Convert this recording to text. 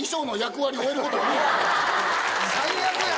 最悪や。